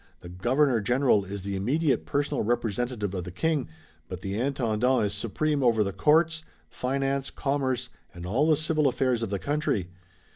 The Governor General is the immediate personal representative of the King, but the Intendant is supreme over the courts, finance, commerce and all the civil affairs of the country.